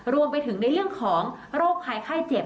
รวมไปถึงในเรื่องของโรคภัยไข้เจ็บ